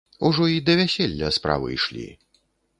Ужо і да вяселля справы ішлі.